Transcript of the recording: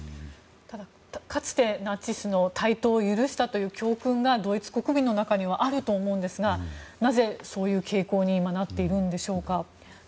かつて、ナチスの台頭を許したという教訓がドイツ国民の中にはあると思うんですがなぜ、そういう傾向になっているんでしょうか。